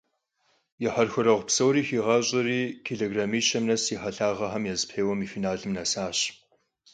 И хьэрхуэрэгъу псори хигъащӏэри, килограмми щэм нэс зи хьэлъагъхэм я зэпеуэм и финалым нэсащ.